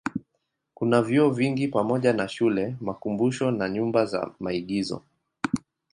Kuna vyuo vingi pamoja na shule, makumbusho na nyumba za maigizo.